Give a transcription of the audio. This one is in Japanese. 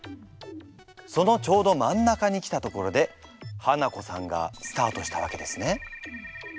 そのちょうど真ん中に来たところでハナコさんがスタートしたわけですね。